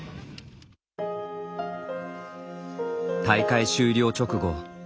大会終了直後